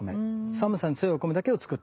寒さに強いお米だけを作っていた。